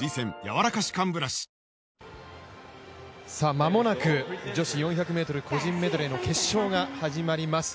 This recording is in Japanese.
間もなく女子４００ｍ個人メドレーの決勝が始まります。